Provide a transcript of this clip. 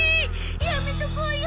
やめとこうよ。